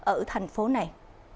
ở thành phố này